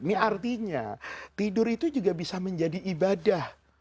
ini artinya tidur itu juga bisa menjadi ibadah